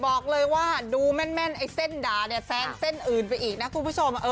บอกเลยว่าดูแม่นไอ้เส้นด่าเนี่ยแซงเส้นอื่นไปอีกนะคุณผู้ชม